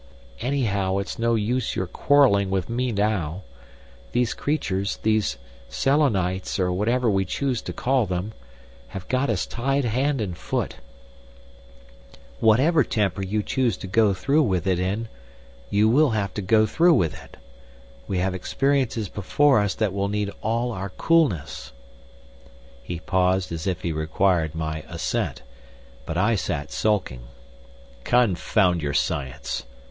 "Anyhow, it's no use your quarrelling with me now. These creatures—these Selenites, or whatever we choose to call them—have got us tied hand and foot. Whatever temper you choose to go through with it in, you will have to go through with it.... We have experiences before us that will need all our coolness." He paused as if he required my assent. But I sat sulking. "Confound your science!"